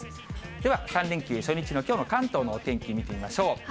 では、３連休初日のきょうの関東のお天気、見てみましょう。